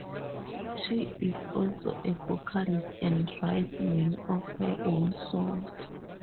She is also a vocalist and writes many of her own songs.